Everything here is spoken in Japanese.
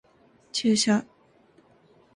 注射